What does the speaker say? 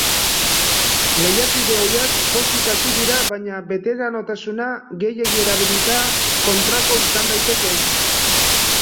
Lehiakide ohiak pozik hasi dira baina beteranotasuna gehiegi erabilita, kontrako izan daiteke.